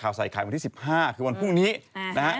ใส่ไข่วันที่๑๕คือวันพรุ่งนี้นะฮะ